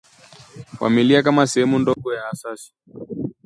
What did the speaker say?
familia kama sehemu ndogo ya asasi